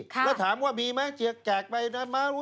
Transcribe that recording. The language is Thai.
ค่ะแล้วถามว่ามีไหมเจียร์แก่กไปนะ